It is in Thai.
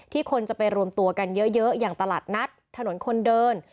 คนจะไปรวมตัวกันเยอะอย่างตลาดนัดถนนคนเดิน